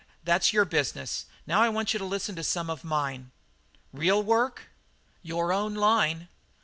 That's your business. Now I want you to listen to some of mine." "Real work?" "Your own line."